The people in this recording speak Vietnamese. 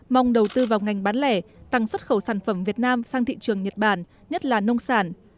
mong đầu tư vào ngành bán lẻ tăng xuất khẩu sản phẩm việt nam sang thị trường nhật bản nhất là nông sản